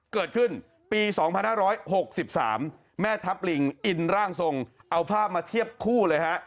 เกิดขึ้นปี๒๕๖๓แม่ทัพลิงอินร่างทรงเอาภาพมาเทียบคู่เลยฮะ